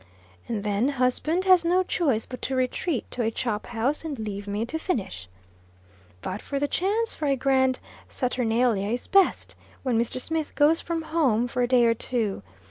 And, then, husband has no choice but to retreat to a chop house, and leave me to finish. But the chance for a grand saturnalia is best when Mr. Smith goes from home for a day or two.